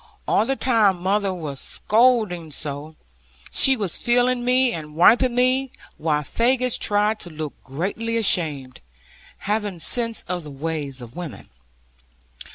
All the time mother was scolding so, she was feeling me, and wiping me; while Faggus tried to look greatly ashamed, having sense of the ways of women.